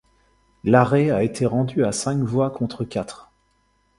L'arrêt a été rendu à cinq voix contre quatre.